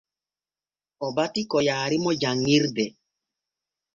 O bati ko yaarimo janŋirde.